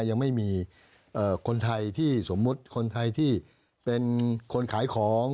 ยังไม่มีคนไทยที่สมมุติคนไทยที่เป็นคนขายของ